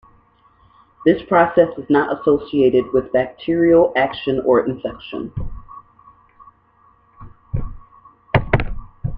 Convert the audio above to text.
This process is not associated with bacterial action or infection.